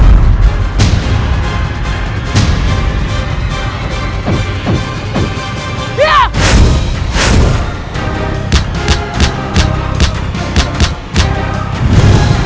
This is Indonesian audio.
kenapa rasanya berat sekali